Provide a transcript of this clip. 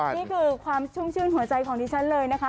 นี่คือความชุ่มชื่นหัวใจของดิฉันเลยนะคะ